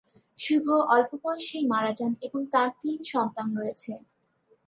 শুভ অল্প বয়সেই মারা যান এবং তার তিন সন্তান রয়েছে।